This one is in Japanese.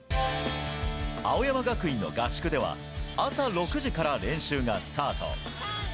青山学院の合宿では朝６時から練習がスタート。